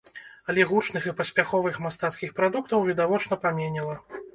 Але гучных і паспяховых мастацкіх прадуктаў відавочна паменела.